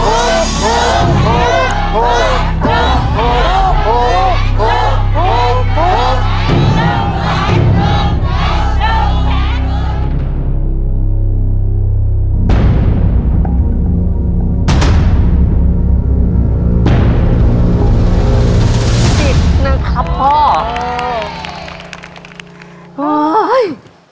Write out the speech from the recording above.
เสื้อด้านในของเวียสุโกนลวัฒน์มีสีอะไร